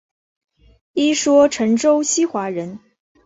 一说陈州西华人。